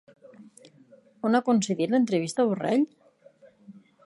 On ha concedit l'entrevista Borrell?